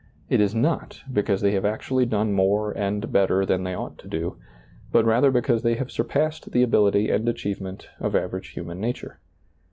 It is not because they have actually done more and better than they ought to do, but rather because they have surpassed the ability and achievement of average human nature.